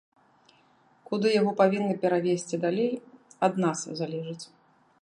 Куды яго павінны перавесці далей, ад нас залежыць.